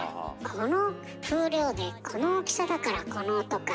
この風量でこの大きさだからこの音か。